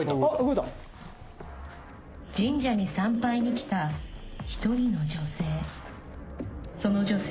神社に参拝に来た１人の女性。